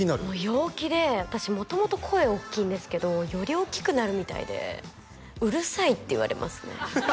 陽気で私元々声大きいんですけどより大きくなるみたいで「うるさい」って言われますね